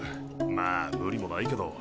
まあ無理もないけど。